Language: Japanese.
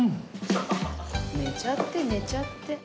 寝ちゃって寝ちゃって。